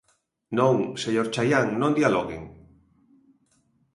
Non, señor Chaián, non dialoguen.